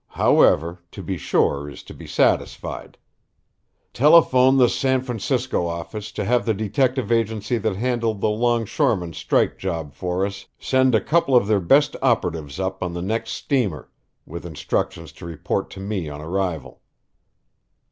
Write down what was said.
However, to be sure is to be satisfied. Telephone the San Francisco office to have the detective agency that handled the longshoremen's strike job for us send a couple of their best operatives up on the next steamer, with instructions to report to me on arrival."